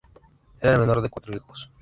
Era el menor de cuatro hijos.